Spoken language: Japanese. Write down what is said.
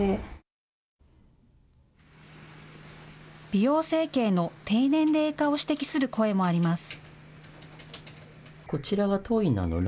美容整形の低年齢化を指摘する声もあります。